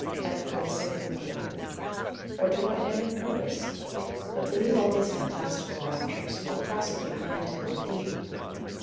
et quae sequuntur, or to what end and purpose? But to leave all these fantastical raptures, I'll prosecute my intended theme.